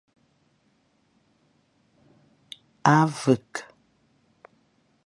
A vek.